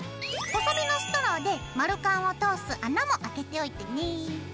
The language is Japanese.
細めのストローで丸カンを通す穴もあけておいてね。